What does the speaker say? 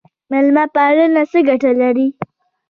میلمه پالنه څه ګټه لري؟